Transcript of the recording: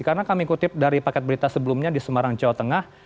karena kami kutip dari paket berita sebelumnya di semarang jawa tengah